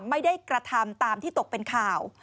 ไม่ได้กระทำตามที่ตกเป็นข่าว